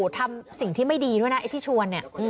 ทำสิ่งที่ไม่ดีด้วยนะที่ชวน